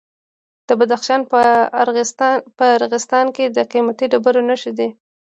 د بدخشان په راغستان کې د قیمتي ډبرو نښې دي.